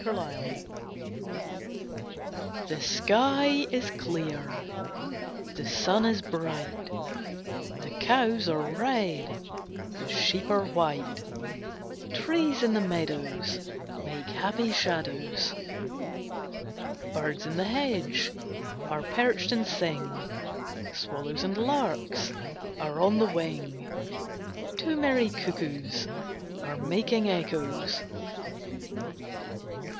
A MAY MORNING The sky is clear, The sun is bright; The cows are red, The sheep are white; Trees in the meadows Make happy shadows. Birds in the hedge Are perched and sing; Swallows and larks Are on the wing: Two merry cuckoos Are making echoes.